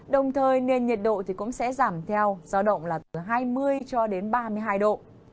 đồng thời nền nhiệt độ cũng sẽ giảm theo giao động là từ hai mươi cho đến ba mươi hai độ